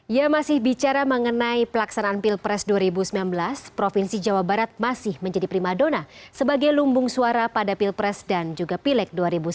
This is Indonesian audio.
ya masih bicara mengenai pelaksanaan pilpres dua ribu sembilan belas provinsi jawa barat masih menjadi prima dona sebagai lumbung suara pada pilpres dan juga pilek dua ribu sembilan belas